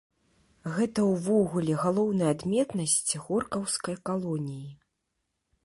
Гэта ўвогуле галоўная адметнасць горкаўскай калоніі.